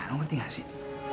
lo ngerti gak sih